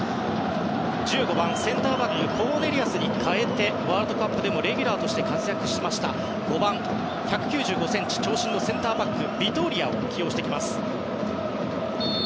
１５番、センターバックコーネリアスに代えてワールドカップでもレギュラーとして活躍しました１９５ｃｍ長身のセンターバックビトーリアを起用。